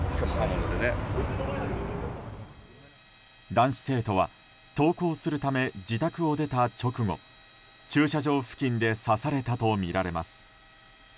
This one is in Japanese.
男子生徒は登校するため自宅を出た直後駐車場付近で刺されたとみられます。